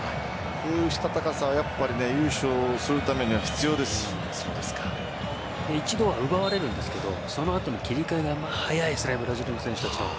こうした高さは優勝するためには一度は奪われるんですけどその後の切り替えが早いですねブラジルの選手たち。